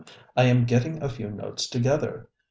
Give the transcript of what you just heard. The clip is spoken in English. I am getting a few notes together.